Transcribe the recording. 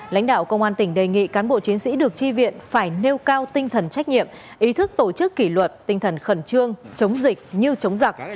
lãnh đạo công an tỉnh đề nghị cán bộ chiến sĩ được tri viện phải nêu cao tinh thần trách nhiệm ý thức tổ chức kỷ luật tinh thần khẩn trương chống dịch như chống giặc